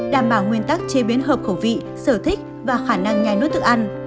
đảm bảo nguyên tắc chế biến hợp khẩu vị sở thích và khả năng nhai nốt thức ăn